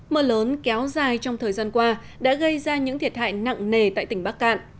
mưa lớn kéo dài trong thời gian qua đã gây ra những thiệt hại nặng nề tại tỉnh bắc cạn